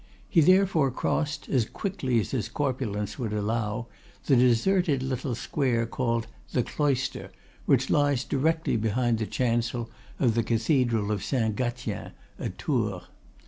He therefore crossed, as quickly as his corpulence would allow, the deserted little square called "The Cloister," which lies directly behind the chancel of the cathedral of Saint Gatien at Tours.